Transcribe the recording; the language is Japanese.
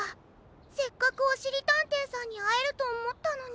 せっかくおしりたんていさんにあえるとおもったのに。